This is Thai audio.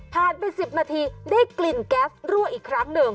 ผ่านไป๑๐นาทีได้กลิ่นแก๊สรั่วอีกครั้งเดิม